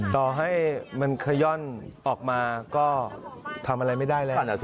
ต่อให้มันขย่อนออกมาก็ทำอะไรไม่ได้แล้ว